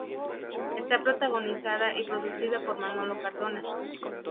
Está protagonizada y producida por Manolo Cardona.